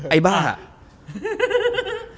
ไอ้บ้า